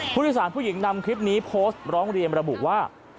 ผู้โดยสารผู้หญิงนำคลิปนี้โพสต์ร้องเรียนระบุว่า